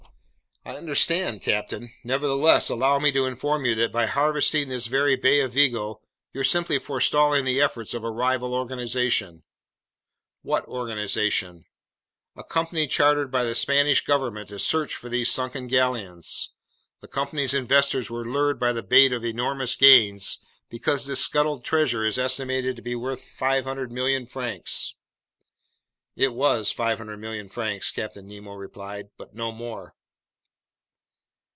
"I understand, captain. Nevertheless, allow me to inform you that by harvesting this very Bay of Vigo, you're simply forestalling the efforts of a rival organization." "What organization?" "A company chartered by the Spanish government to search for these sunken galleons. The company's investors were lured by the bait of enormous gains, because this scuttled treasure is estimated to be worth 500,000,000 francs." "It was 500,000,000 francs," Captain Nemo replied, "but no more!"